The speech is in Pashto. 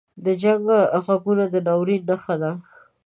• د جنګ ږغونه د ناورین نښه ده.